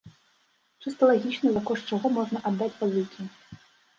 Чыста лагічна, за кошт чаго можна аддаць пазыкі?